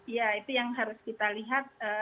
ya itu yang harus kita lihat